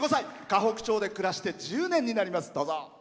河北町で暮らして１０年になります。